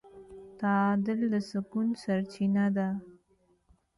تعادل د سکون سرچینه ده.